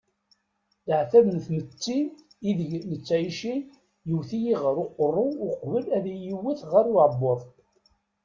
Leɛtab n tmetti ideg nettɛici yewwet-iyi ɣer uqerruy uqbel ad iyi-iwet ɣer uɛebbuḍ.